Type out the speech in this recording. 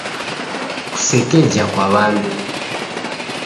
Kusekeja kwa w'andu.